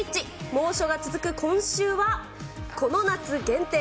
猛暑が続く今週は、この夏限定！